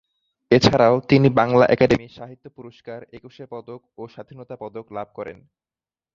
এছাড়াও তিনি বাংলা একাডেমি সাহিত্য পুরস্কার, একুশে পদক ও স্বাধীনতা পদক লাভ করেন।